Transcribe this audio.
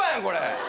これ！